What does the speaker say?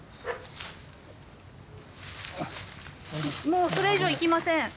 もうそれ以上行きません。